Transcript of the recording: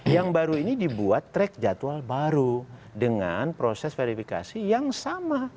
yang baru ini dibuat track jadwal baru dengan proses verifikasi yang sama